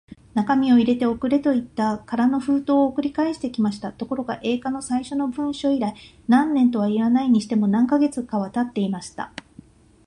中身を入れて送れ、といって空の封筒を送り返してきました。ところが、Ａ 課の最初の文書以来、何年とはいわないにしても、何カ月かはたっていました。